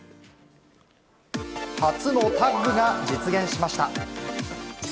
初のタッグが実現しました。